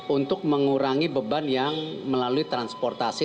untuk mengurangi beban yang melalui transportasi